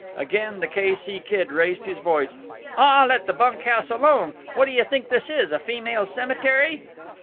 Again the K. C. Kid raised his voice: "Aw, let the bunk house alone! What d'yuh think this is? A female cemetery?"